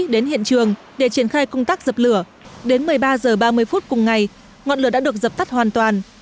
đến hiện trường để triển khai công tác dập lửa đến một mươi ba h ba mươi phút cùng ngày ngọn lửa đã được dập tắt hoàn toàn